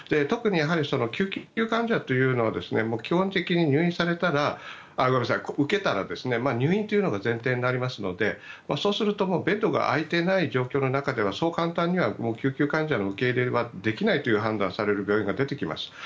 特に救急患者というのは基本的に受けたら入院というのが前提になりますのでそうするとベッドが空いていない状況の中ではそう簡単には救急患者の受け入れはできないと判断される病院が出てきます。